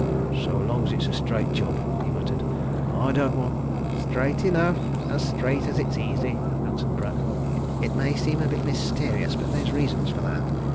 "So long as it's a straight job," he muttered. "I don't want " "Straight enough as straight as it's easy," answered Pratt. "It may seem a bit mysterious, but there's reasons for that.